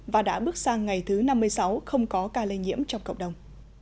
và đã bước sang ngày thứ năm mươi sáu không có ca lây nhiễm trong cộng đồng